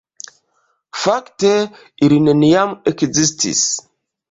Fakte, ili neniam ekzistis.